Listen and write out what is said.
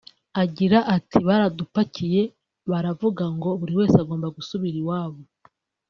Agira ati“baradupakiye baravuga ngo buri wese agomba gusubira iwabo